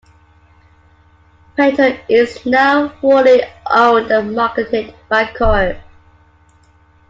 Painter is now wholly owned and marketed by Corel.